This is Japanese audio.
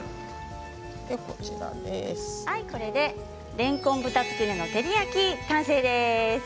これでれんこん豚つくねの照り焼き完成です。